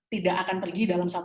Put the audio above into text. tidak akan pergi dalam